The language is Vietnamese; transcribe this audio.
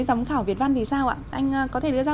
giám khảo việt văn thì sao ạ anh có thể đưa ra